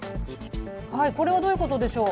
これはどういうことでしょう。